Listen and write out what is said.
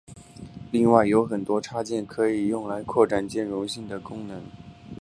另外有很多插件可以用来扩展兼容性和功能。